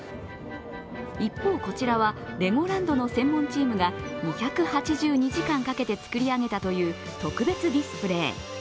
一方、こちらはレゴランドの専門チームが２８２時間かけて作り上げたという特別ディスプレイ。